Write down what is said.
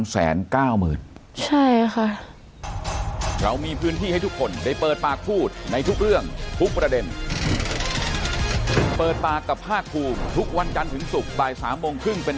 สามแสนเก้าหมื่น